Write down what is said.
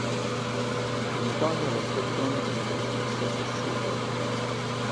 In Italia la stagione viene trasmessa su Super!